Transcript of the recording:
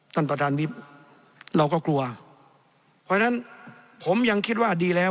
ท่านประธานวิทย์เราก็กลัวเพราะฉะนั้นผมยังคิดว่าดีแล้ว